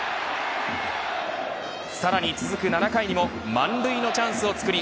さらに続く７回にも満塁のチャンスを作り